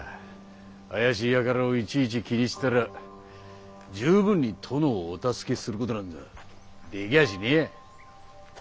怪しい輩をいちいち気にしてたら十分に殿をお助けすることなんざできやしねぇや。